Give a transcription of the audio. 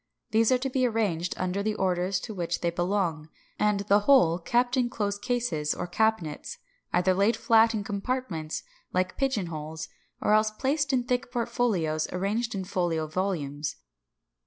These are to be arranged under the orders to which they belong, and the whole kept in closed cases or cabinets, either laid flat in compartments, like "pigeon holes," or else placed in thick portfolios, arranged like folio volumes.